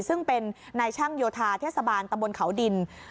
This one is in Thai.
ซึ่งเป็นนายช่างโยธาเทศบาลตำบลเขาดิน